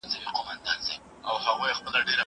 زه مخکي د کتابتون د کار مرسته کړې وه!؟